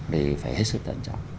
thì phải hết sức quan trọng